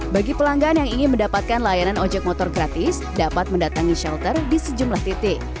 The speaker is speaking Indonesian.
bagi pelanggan yang ingin mendapatkan layanan ojek motor gratis dapat mendatangi shelter di sejumlah titik